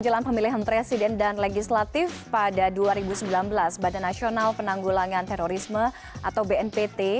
jelang pemilihan presiden dan legislatif pada dua ribu sembilan belas badan nasional penanggulangan terorisme atau bnpt